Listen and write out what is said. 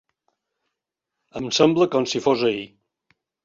Em sembla com si fos ahir.